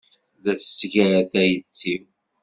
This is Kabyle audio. La tesgar tayet-iw.